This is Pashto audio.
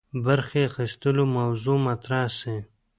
برخي اخیستلو موضوع مطرح سي.